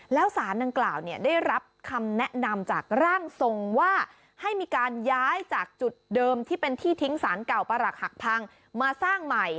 แล้วสารดังกล่าวได้รับคำแนะนำจากร่างทรงว่าให้มีการย้ายจากจุดเดิมที่เป็นที่ทิ้งสารเก่าประหลักหักพังมาสร้างใหม่